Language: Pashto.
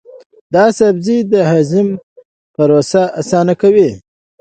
دا سبزی د هضم پروسه اسانه کوي.